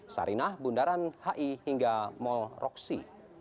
sarinah bundaran hi hingga mall roksi